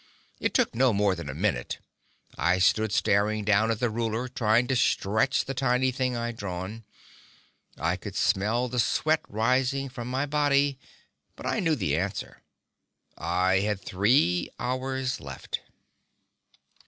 It took no more than a minute. I stood staring down at the ruler, trying to stretch the tiny thing I'd drawn. I could smell the sweat rising from my body. But I knew the answer. I had three hours left!